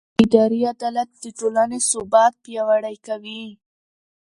اداري عدالت د ټولنې ثبات پیاوړی کوي.